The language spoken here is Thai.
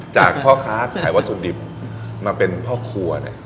พ่อค้าขายวัตถุดิบมาเป็นพ่อครัวเนี่ย